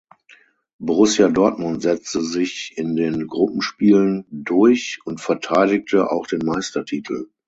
Borussia Dortmund setzte sich in den Gruppenspielen durch und verteidigte auch den Meistertitel.